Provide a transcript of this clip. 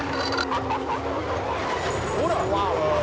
「ほら！」